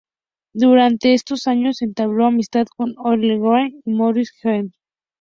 Durante estos años entabló amistad con Olin Levi Warner y Marius Jean Mercier.